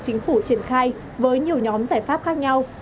chính phủ triển khai với nhiều nhóm giải pháp khác nhau